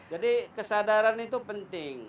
jadi kesadaran itu penting